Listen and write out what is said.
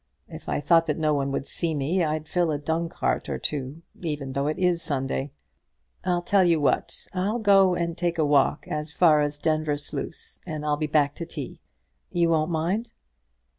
If I thought that no one would see me, I'd fill a dung cart or two, even though it is Sunday. I'll tell you what; I'll go and take a walk as far as Denvir Sluice; and I'll be back to tea. You won't mind?"